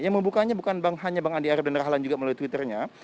yang membukanya bukan hanya bang andi arief dan rahlan juga melalui twitternya